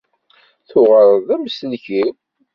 Tuɣaleḍ d amsellek-iw.